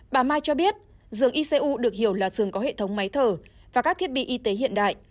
bà mai cho biết giường icu được hiểu là giường có hệ thống máy thở và các thiết bị y tế hiện đại